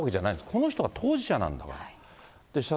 この人が当事者なんだから。